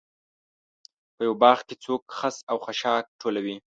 په یوه باغ کې څوک خس و خاشاک ټولوي.